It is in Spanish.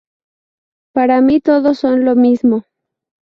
Para mi todos son lo mismo.